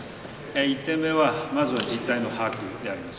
１点目は、まず実態の把握であります。